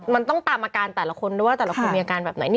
มันต้องตามอาการแต่ละคนด้วยว่าแต่ละคนมีอาการแบบไหน